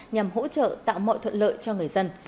nhằm hỗ trợ tạo mọi thuận lợi cho người dân